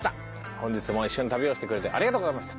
本日も一緒に旅をしてくれてありがとうございました。